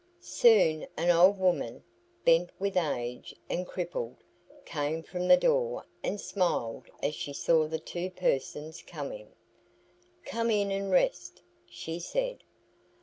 Soon an old woman, bent with age and crippled, came from the door and smiled as she saw the two persons coming. "Come in and rest," she said.